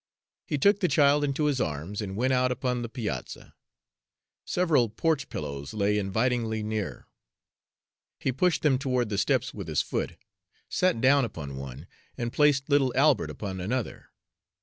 He took the child in his arms and went out upon the piazza. Several porch pillows lay invitingly near. He pushed them toward the steps with his foot, sat down upon one, and placed little Albert upon another.